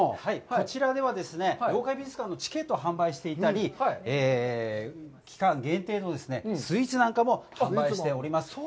こちらでは妖怪美術館のチケットを販売していたり、期間限定のスイーツなんかも販売しております。